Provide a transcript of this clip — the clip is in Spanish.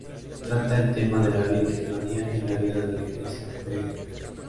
Trata el tema de la Virgen María en la vida de la Iglesia peregrina.